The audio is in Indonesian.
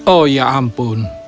oh ya ampun